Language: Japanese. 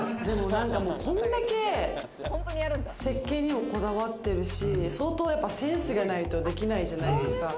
これだけ設計にもこだわっているし、相当センスがないとできないじゃないですか。